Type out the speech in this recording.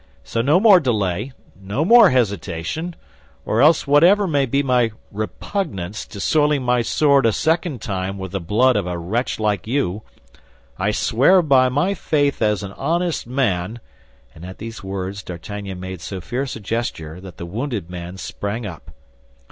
So no more delay, no more hesitation; or else whatever may be my repugnance to soiling my sword a second time with the blood of a wretch like you, I swear by my faith as an honest man—" and at these words D'Artagnan made so fierce a gesture that the wounded man sprang up.